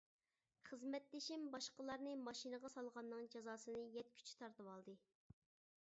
خىزمەتدىشىم باشقىلارنى ماشىنىغا سالغاننىڭ جازاسىنى يەتكۈچە تارتىۋالدى.